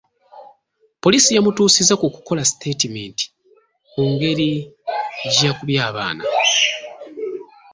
Poliisi yamutuusiza ku kukola siteetimenti ku ngeri ge yakubye abaana.